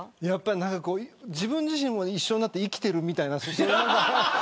自分自身も一緒になって生きてるみたいな。